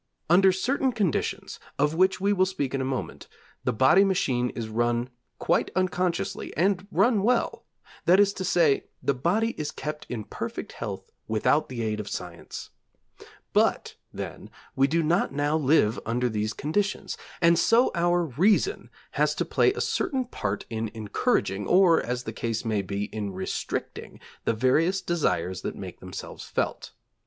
Under certain conditions, of which we will speak in a moment, the body machine is run quite unconsciously, and run well; that is to say, the body is kept in perfect health without the aid of science. But, then, we do not now live under these conditions, and so our reason has to play a certain part in encouraging, or, as the case may be, in restricting the various desires that make themselves felt.